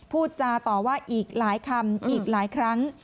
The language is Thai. พูดจาต่อว่าอีกหลายคำอีกหลายครั้ง